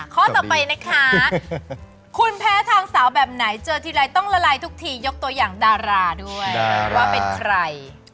ข้อต่อไปนะคะคุณแพ้ทางสาวแบบไหนเจอทีไรต้องละลายทุกทียกตัวอย่างดาราด้วยว่าเป็นใคร